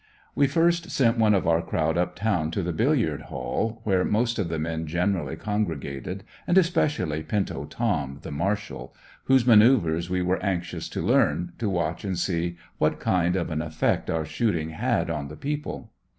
We first sent one of our crowd up town to the billiard hall, where most of the men generally congregated, and especially "Pinto Tom," the marshal, whose maneuvers we were anxious to learn, to watch and see what kind of an effect our shooting had on the people.